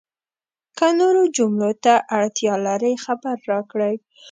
که نورو جملو ته اړتیا لرئ، خبر راکړئ!